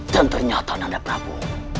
dan ternyata nanda prabu